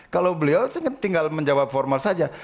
kalau beliau tinggal menjawab formal saja